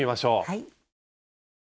はい。